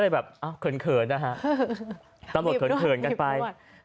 แบบเผินเคินเคินกันไป